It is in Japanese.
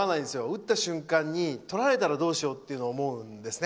打った瞬間に、とられたらどうしようって思うんですね。